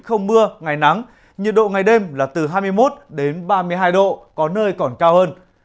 không mưa ngày nắng nhiệt độ ngày đêm là từ hai mươi một ba mươi hai độ có nơi còn cao hơn